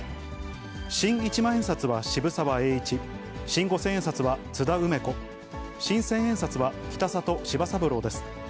新一万円札は渋沢栄一、新五千円札は津田梅子、新千円札は北里柴三郎です。